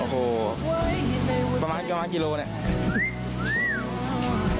โอ้โหประมาณกี่บาทกิโลเนี่ย